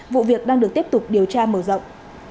vụ việc đang được tiếp tục điều tra mở rộng